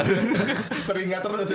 teringat terus ya